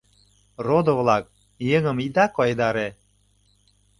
— Родо-влак, еҥым ида койдаре.